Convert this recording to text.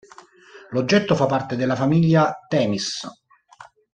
L'oggetto fa parte della famiglia Themis.